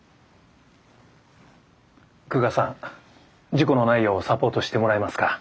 久我さん事故のないようサポートしてもらえますか？